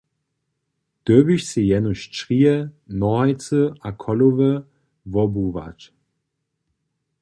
Dyrbiš sej jenož črije, nohajcy a cholowy wobuwać!